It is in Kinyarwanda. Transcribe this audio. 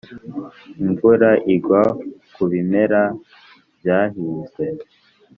Imvura igwa ku bimera byahinzwe.